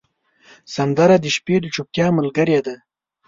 سندره د شپې د چوپتیا ملګرې ده